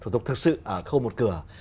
thực sự khâu một cửa